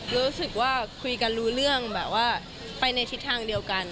รู้สึกว่าคุยกันรู้เรื่องแบบว่าไปในทิศทางเดียวกัน